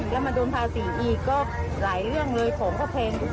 แล้วมาโดนภาษีอีกก็หลายเรื่องเลยของก็แพง